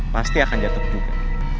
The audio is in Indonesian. pasti akan jatuh juga